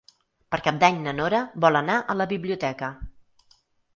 Per Cap d'Any na Nora vol anar a la biblioteca.